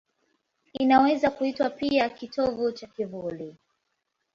Inaweza kuitwa pia kitovu cha kivuli.